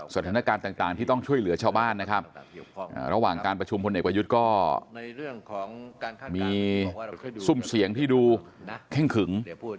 สถานการณ์ต่างที่ต้องช่วยเหลือชาวบ้านนะครับระหว่างการประชุมพลเอกประยุทธ์ก็มีซุ่มเสียงที่ดูเข้งขึง